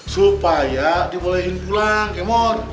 supaya dibolehin pulang kemot